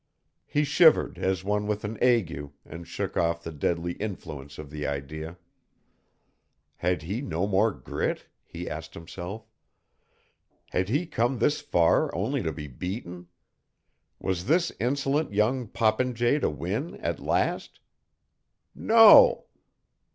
He shivered as one with an ague and shook off the deadly influence of the idea. Had he no more grit? he asked himself. Had he come this far only to be beaten? Was this insolent young popinjay to win at last? _No!